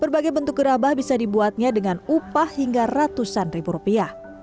bagi bagi berapa bentuk gerabah bisa dibuatnya dengan upah hingga ratusan ribu rupiah